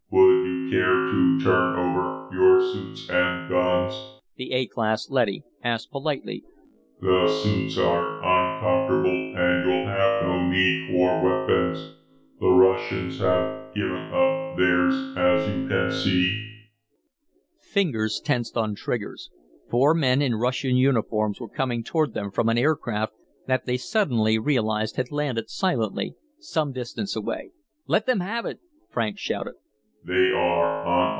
"Would you care to turn over your suits and guns?" the A class leady asked politely. "The suits are uncomfortable and you'll have no need for weapons. The Russians have given up theirs, as you can see." Fingers tensed on triggers. Four men in Russian uniforms were coming toward them from an aircraft that they suddenly realized had landed silently some distance away. "Let them have it!" Franks shouted.